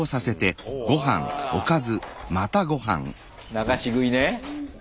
流し食いね。